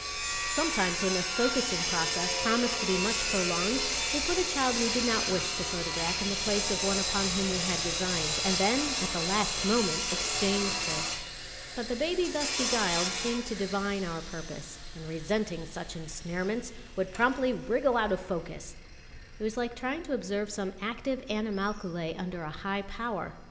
Sometimes when the focussing process promised to be much prolonged, we put a child we did not wish to photograph in the place of one upon whom we had designs, and then at the last moment exchanged her. But the baby thus beguiled seemed to divine our purpose; and, resenting such ensnarements, would promptly wriggle out of focus. It was like trying to observe some active animalculæ under a high power.